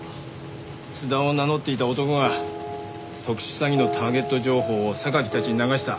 津田を名乗っていた男が特殊詐欺のターゲット情報をたちに流した。